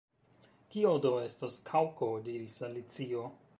“Kio do estas Kaŭko?” diris Alicio.